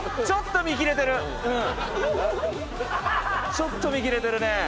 ちょっと見切れてるね。